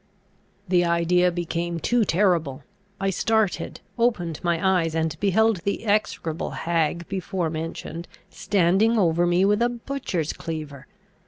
The idea became too terrible; I started, opened my eyes, and beheld the execrable hag before mentioned standing over me with a butcher's cleaver.